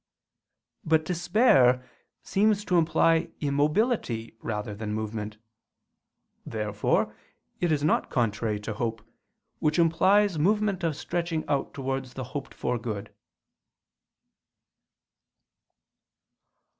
But despair seems to imply immobility rather than movement. Therefore it is not contrary to hope, which implies movement of stretching out towards the hoped for good.